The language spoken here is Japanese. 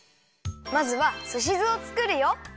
まずはすし酢をつくるよ。